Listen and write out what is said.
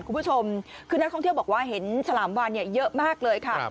คุณผู้ชมคือนักท่องเที่ยวบอกว่าเห็นฉลามวานเยอะมากเลยค่ะ